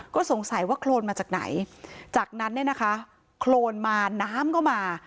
ก็สงสัยว่าโครนมาจากไหนจากนั้นเนี่ยนะคะโครนมาน้ำก็มา